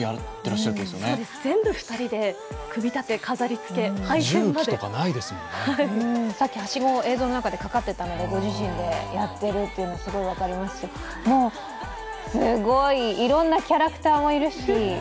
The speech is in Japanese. そうです、全部２人で組み立て飾りつけさっきはしご映像の中でかかってたのでご自身でやっているのはすごく分かりますし、すごい、いろんなキャラクターもいるし。